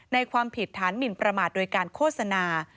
ความผิดฐานหมินประมาทโดยการโฆษณา